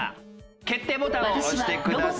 決定ボタンを押してください。